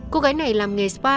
cô gái này làm nghề spa